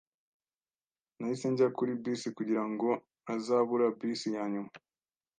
Nahise njya kuri bisi kugirango ntazabura bisi yanyuma.